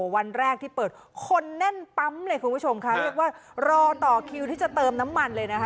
วันแรกที่เปิดคนแน่นปั๊มเลยคุณผู้ชมค่ะเรียกว่ารอต่อคิวที่จะเติมน้ำมันเลยนะคะ